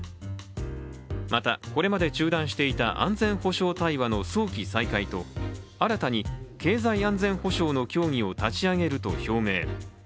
また、これまで中断していた安全保障対話の早期再開と新たに経済安全保障の協議を立ち上げると表明。